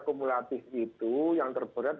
kumulatif itu yang terberat